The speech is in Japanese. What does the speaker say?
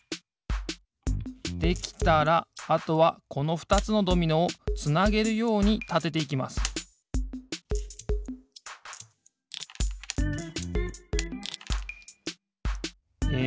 できたらあとはこのふたつのドミノをつなげるようにたてていきますえ